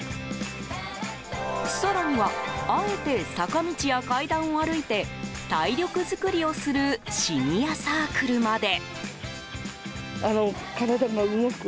更にはあえて坂道や階段を歩いて体力作りをするシニアサークルまで。